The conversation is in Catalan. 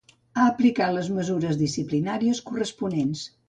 Ha aplicat les mesures disciplinàries corresponents.